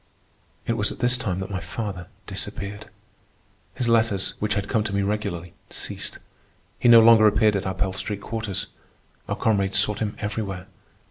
It was at this time that my father disappeared. His letters, which had come to me regularly, ceased. He no longer appeared at our Pell Street quarters. Our comrades sought him everywhere.